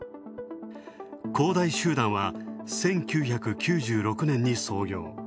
恒大集団は１９９６年に創業。